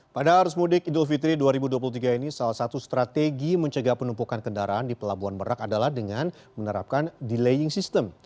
pada arus mudik idul fitri dua ribu dua puluh tiga ini salah satu strategi mencegah penumpukan kendaraan di pelabuhan merak adalah dengan menerapkan delaying system